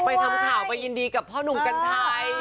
ไปทำข่าวไปยินดีกับพ่อหนุ่มกันไทย